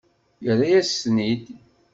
Yerra-yas-ten-id.